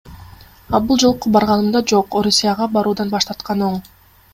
А бул жолку барганымда, жок, Орусияга баруудан баш тарткан оң.